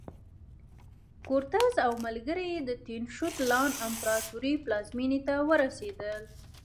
کورټز او ملګري یې د تینوشیت لان امپراتورۍ پلازمېنې ته ورسېدل.